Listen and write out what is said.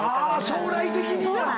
将来的にな。